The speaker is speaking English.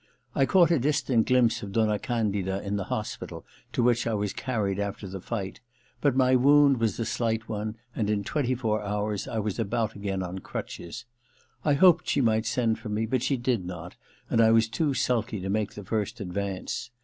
I caught a distant glimpse of Donna Candida in the hospital to which I was carried after the fight ; but my wound was a slight one and in twenty four hours I was about again on crutches. I hoped she might send for me, but she did not, and I was too sulky to make the first advance.